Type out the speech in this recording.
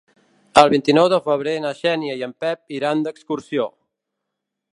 El vint-i-nou de febrer na Xènia i en Pep iran d'excursió.